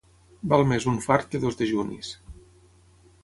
Val més un fart que dos dejunis.